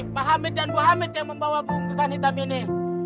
mbah hamid dan bu hamid yang membawa bubung hutan hitam ini